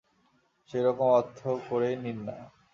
সেইরকম অর্থ করেই নিন-না!